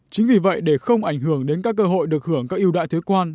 chính vì vậy để không ảnh hưởng đến các cơ hội được hưởng các ưu đại thuế quan